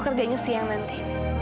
aku kerjanya siang nanti